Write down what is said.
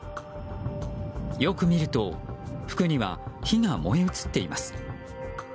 よく見ると服には火が燃え移っています。